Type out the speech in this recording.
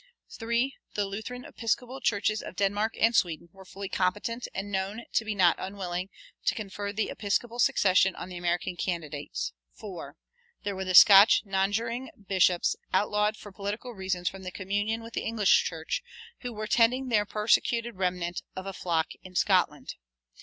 3. The Lutheran Episcopal churches of Denmark and Sweden were fully competent and known to be not unwilling to confer the episcopal succession on the American candidates. 4. There were the Scotch nonjuring bishops, outlawed for political reasons from communion with the English church, who were tending their "persecuted remnant" of a flock in Scotland.